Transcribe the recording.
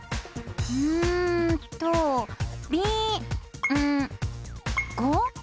うんと「びんご」？